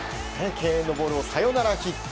敬遠のボールをサヨナラヒット。